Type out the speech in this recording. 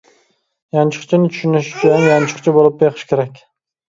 يانچۇقچىنى چۈشىنىش ئۈچۈن يانچۇقچى بولۇپ بېقىش كېرەك.